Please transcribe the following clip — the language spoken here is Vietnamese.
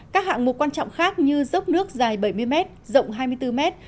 các hạng mục quan trọng khác như dốc nước dài bảy mươi m rộng hai mươi bốn mét